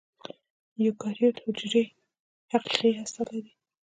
ایوکاریوت حجرې حقیقي هسته لري.